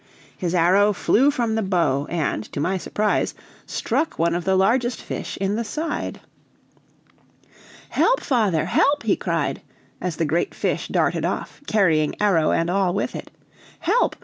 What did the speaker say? His arrow flew from the bow, and, to my surprise, struck one of the largest fish in the side. "Help, father, help!" he cried, as the great fish darted off, carrying arrow and all with it; "help!